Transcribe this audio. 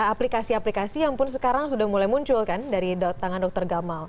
aplikasi aplikasi yang pun sekarang sudah mulai muncul kan dari tangan dokter gamal